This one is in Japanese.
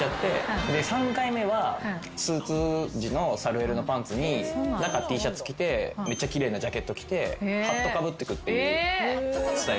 で３回目はスーツ地のサルエルのパンツに中Ｔシャツ着てめっちゃ奇麗なジャケット着てハットかぶってくっていうスタイルで。